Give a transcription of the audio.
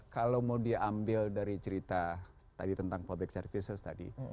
kalau mau diambil dari cerita tadi tentang public services tadi